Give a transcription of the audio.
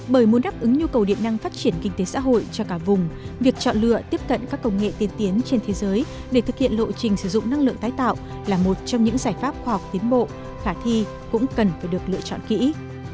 bởi muốn đáp ứng nhu cầu điện năng phát triển kinh tế xã hội cho cả vùng việc chọn lựa tiếp cận các công nghệ tiên tiến trên thế giới để thực hiện lộ trình sử dụng năng lượng tái tạo là một trong những giải pháp khoa học tiến bộ khả thi cũng cần phải được lựa chọn kỹ